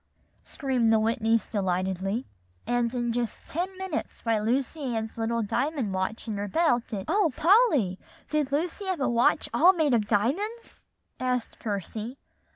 screamed the Whitneys delightedly. "And in just ten minutes by Lucy Ann's little diamond watch in her belt, it" "O Polly! did Lucy Ann have a watch all made of diamonds?" asked Percy.